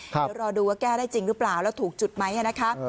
เดี๋ยวรอดูว่าแก้ได้จริงหรือเปล่าแล้วถูกจุดไหมนะคะ